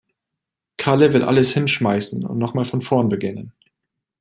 Kalle will alles hinschmeißen und noch mal von vorn beginnen.